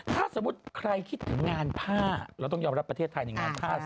ถ้าสมมุติใครคิดถึงงานผ้าเราต้องยอมรับประเทศไทยในงานผ้า